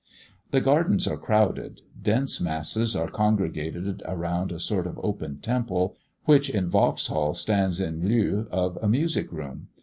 The gardens are crowded; dense masses are congregated around a sort of open temple, which at Vauxhall stands in lieu of a music room.